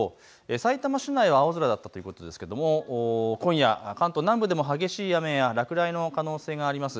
さいたま市内、青空ということですが今夜、関東南部でも激しい雨や落雷の可能性あります。